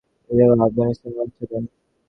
তিনি নিজেকে আফগানিস্তানের বাদশাহ দেন।